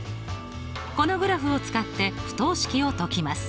このグラフを使って不等式を解きます。